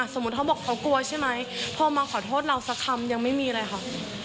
เขาบอกเขากลัวใช่ไหมพอมาขอโทษเราสักคำยังไม่มีเลยค่ะ